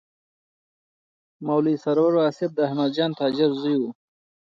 مولوي سرور واصف د احمدجان تاجر زوی و.